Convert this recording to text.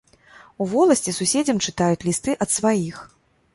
У воласці суседзям чытаюць лісты ад сваіх.